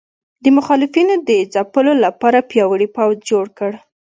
د مخالفینو د ځپلو لپاره پیاوړی پوځ جوړ کړ.